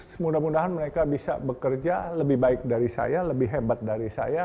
semudah mudahan mereka bisa bekerja lebih baik dari saya lebih hebat dari saya